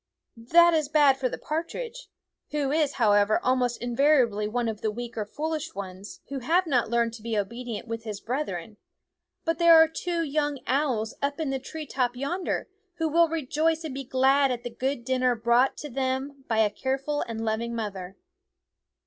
That is bad for the par tridge, who is, however, almost invariably one of the weak or foolish ones who have not learned to be obedient with his brethren, but there are two young owls up in the tree top yonder, who will rejoice and be glad at the good dinner brought home to them by a careful and loving mother.